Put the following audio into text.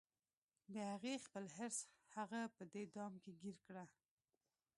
د هغې خپل حرص هغه په دې دام کې ګیر کړه